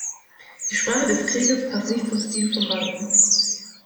Die Sprache des Krieges passt nicht zum Stil von Banken.